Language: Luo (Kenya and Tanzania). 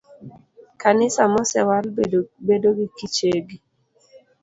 Kanisa mosewal bedo gi kichegi